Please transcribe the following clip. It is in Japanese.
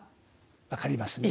分かりますね？